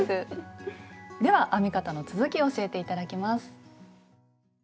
では編み方の続きを教えて頂きます。